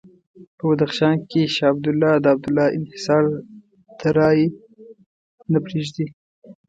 په بدخشان کې شاه عبدالله د عبدالله انحصار ته رایې نه پرېږدي.